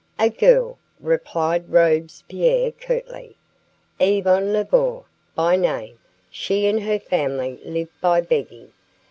"A girl," replied Robespierre curtly. "Yvonne Lebeau, by name; she and her family live by begging.